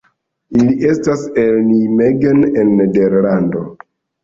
Ili estas el Nijmegen en Nederlando.